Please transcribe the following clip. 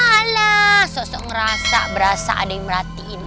alah sok sok ngerasa berasa ada yang merhatiin